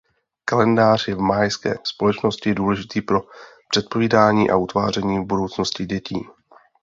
Kalendář je v mayské společnosti důležitý pro předpovídání a utváření budoucnosti dětí.